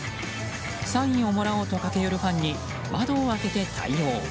サインをもらおうと駆け寄るファンに窓を開けて対応。